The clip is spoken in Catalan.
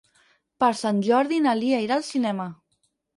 Per Sant Jordi na Lia irà al cinema.